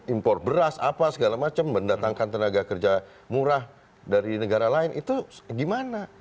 impor beras apa segala macam mendatangkan tenaga kerja murah dari negara lain itu gimana